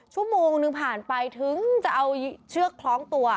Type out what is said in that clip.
ชั่วโมงนึงผ่านไปถึงจะเอาเชือกคล้องตัว